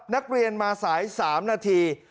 นักเรียนมาสาย๓นาที